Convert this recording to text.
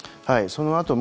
そのあと。